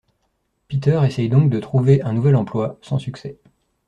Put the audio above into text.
Peter essaie donc de trouver un nouvel emploi, sans succès.